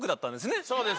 そうです。